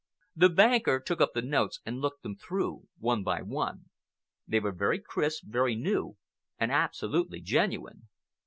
The banker took up the notes and looked them through, one by one. They were very crisp, very new, and absolutely genuine.